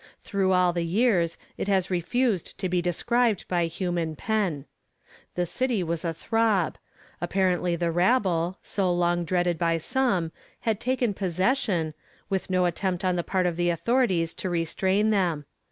Through all the years it has refused to be described by human pen. The city was athrob. Apparently the rabble, so long dreaded by some, had taken possession, with no attempt on the part of the authorities to restrain them.